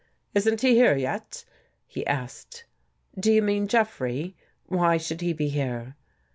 " Isn't he here yet? " he asked. " Do you mean Jeffrey? Why should he be here?"